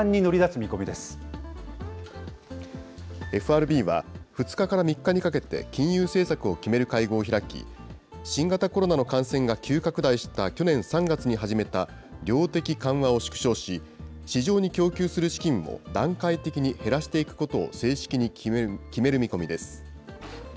見込みでＦＲＢは、２日から３日にかけて金融政策を決める会合を開き、新型コロナの感染が急拡大した去年３月に始めた量的緩和を縮小し、市場に供給する資金を段階的に減らしていくことを正式に決める見込みです。